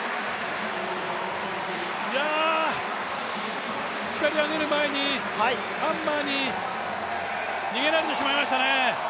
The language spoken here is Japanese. いや、引っ張り上げる前にハンマーに逃げられてしまいましたね。